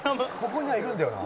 「ここにはいるんだよな」